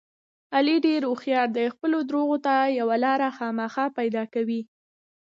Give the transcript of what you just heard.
علي ډېر هوښیار دی خپلو درغو ته یوه لاره خامخا پیدا کوي.